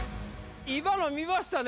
今の見ましたね